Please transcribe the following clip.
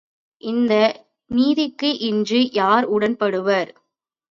இந்த நீதிக்கு இன்று யார் உடன்படுவர்?